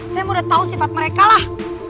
saya mau udah tau sifat mereka lah